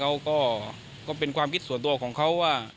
ก็เป็นความคิดส่วนตัวของเขาว่า